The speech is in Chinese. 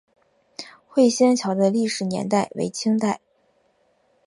会仙桥的历史年代为清代。